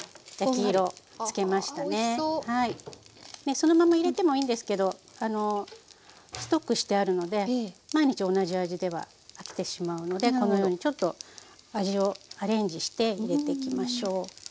そのまま入れてもいいんですけどストックしてあるので毎日同じ味では飽きてしまうのでこのようにちょっと味をアレンジして入れていきましょう。